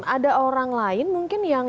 ada orang lain mungkin yang